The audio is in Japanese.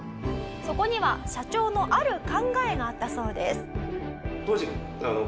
そこには社長のある考えがあったそうです。